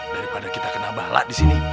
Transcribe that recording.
daripada kita kena balak disini